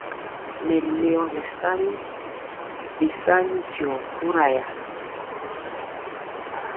Mɛleo nɛ sani bisani tyio pura ya.